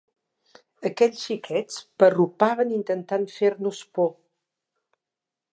Aquells xiquets parrupaven intentant fer-nos por.